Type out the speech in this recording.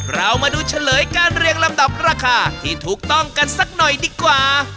เรามาดูเฉลยการเรียงลำดับราคาที่ถูกต้องกันสักหน่อยดีกว่า